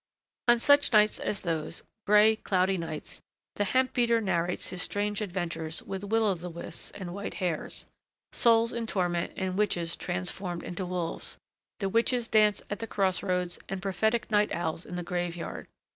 On such nights as those gray, cloudy nights the hemp beater narrates his strange adventures with will o' the wisps and white hares, souls in torment and witches transformed into wolves, the witches' dance at the cross roads and prophetic night owls in the grave yard.